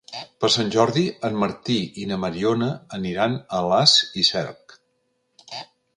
Per Sant Jordi en Martí i na Mariona aniran a Alàs i Cerc.